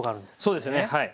そうですねはい。